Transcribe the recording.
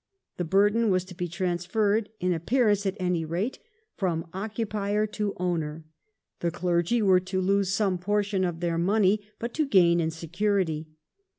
The burden was to be transferred — in appearance at any rate — from occupier to owner ; the clergy were to lose some portion of their money, but to gain in security.